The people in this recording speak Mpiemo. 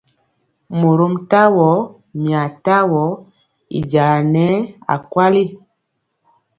Mɔrom tawo, mia tamɔ y jaŋa nɛɛ akweli.